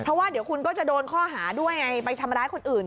เพราะว่าเดี๋ยวคุณก็จะโดนข้อหาด้วยไงไปทำร้ายคนอื่น